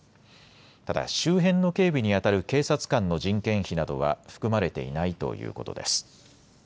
ただ周辺の警備にあたる警察官の人件費などは含まれていないということです。